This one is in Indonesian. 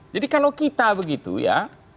jadi kalau kita begitu ya